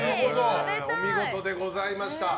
お見事でございました。